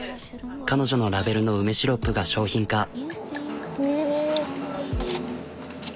彼女のラベルの梅シロップが商品化。